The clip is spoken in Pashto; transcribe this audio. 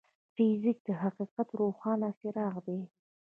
فزیک د حقیقت روښانه څراغ دی.